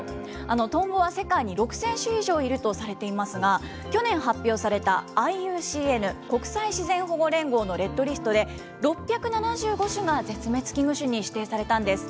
トンボは世界に６０００種以上いるとされていますが、発表されたＩＵＣＮ・国際自然保護連合のレッドリストで、６７５種が絶滅危惧種に指定されたんです。